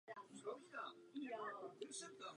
Služby a nástroje musejí odpovídat měnícím se potřebám.